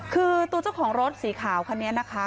คือตัวเจ้าของรถสีขาวคันนี้นะคะ